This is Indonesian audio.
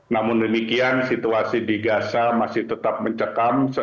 namun demikian situasi di gaza masih tetap mencekam